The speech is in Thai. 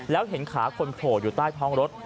แล้วเห็นขาคนโผล่อยู่ใต้ท้องรถ